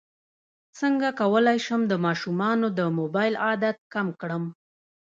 څنګه کولی شم د ماشومانو د موبایل عادت کم کړم